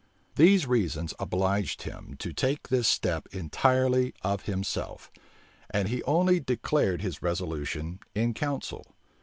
These reasons obliged him to take this step entirely of himself; and he only declared his resolution in council.